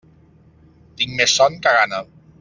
Tinc més son que gana.